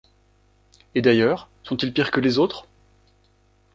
Et d’ailleurs, sont-ils pires que les autres